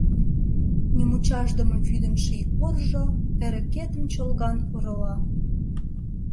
Нимучашдыме вӱдын ший оржо Эрыкетым чолган орола.